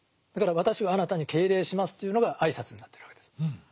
だから「私はあなたに敬礼します」というのが挨拶になってるわけです。